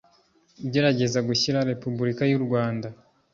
ugerageza gushyira repubulika y urwanda